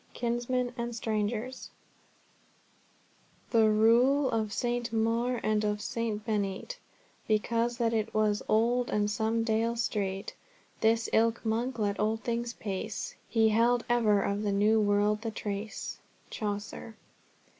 KINSMEN AND STRANGERS "The reul of St. Maure and of St. Beneit Because that it was old and some deale streit This ilke monk let old things pace; He held ever of the new world the trace." Chaucer.